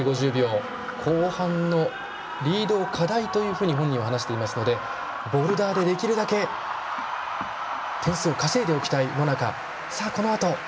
後半のリードを課題というふうに本人は話していますのでボルダーで、できるだけ点数を稼いでいきたい、野中。